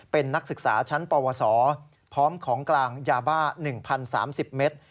เป็นนักศึกษาชั้นปวสพร้อมของกลางยาบ้า๑๐๓๐เมตร